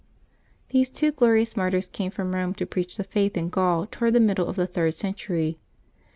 J^nHese two glorious martyrs came from Eome to preach Vlx the Faith in Gaul toward the middle of the third century.